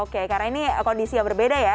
oke karena ini kondisi yang berbeda ya